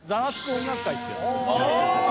音楽会」っていうので。